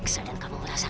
kenapa kamu gak lakuin